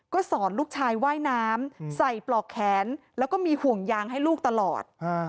ก็สอนลูกชายว่ายน้ำใส่ปลอกแขนแล้วก็มีห่วงยางให้ลูกตลอด